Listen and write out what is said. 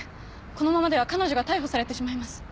このままでは彼女が逮捕されてしまいます。